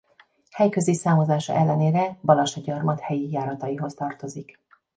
Helyközi számozása ellenére Balassagyarmat helyi járataihoz tartozik.